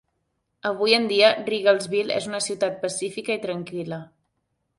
Avui en dia, Riegelsville és una ciutat pacífica i tranquil·la.